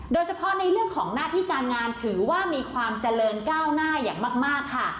โดยเฉพาะในเรื่องของหน้าที่การงานถือว่ามีความเจริญก้าวหน้าอย่างมากค่ะ